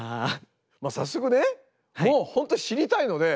早速ねもう本当知りたいので。